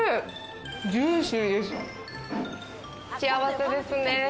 幸せですね。